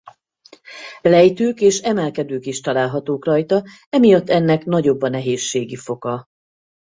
Lejtők és emelkedők is találhatók rajta emiatt ennek nagyobb a nehézségi foka.